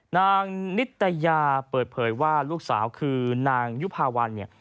นางนิตยาเปิดเผยว่าลูกสาวคือนางยุภาวันเนี่ย